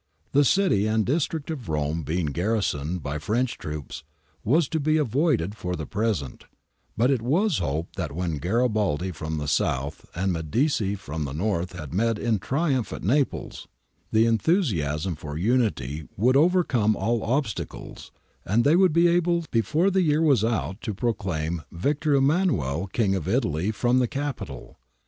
Xhe city^A'^d district of Rome, being jgrrisnugd by French troops, was to be avoided for the present^ but it was hoped that when Garibaldi from the south and Medici from the north had met in triumph at Naples, the enthusiasm for unity would overcome all obstacles, and they would be able before the year was out to proclaifli Victor Emmanuel King of Italy from the Capitol.